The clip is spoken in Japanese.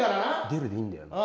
出るでいいんだよな？